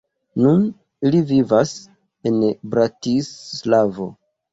Nun ili vivas en Bratislavo.